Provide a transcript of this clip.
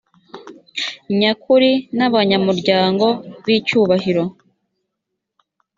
nyakuri n’abanyamuryango b’icyubahiro